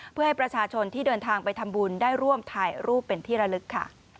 เพื่อให้ประชาชนที่เดินทางไปทำบุญได้ร่วมถ่ายรูปเป็นที่ระลึกค่ะ